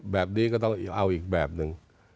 แบบนี้ก็ต้องเอาอีกแบบหนึ่ง